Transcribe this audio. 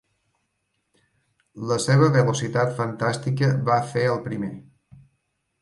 La seva velocitat fantàstica va fer el primer.